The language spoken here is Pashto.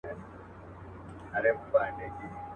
نا امیده له درمل مرګ ته یې پام سو.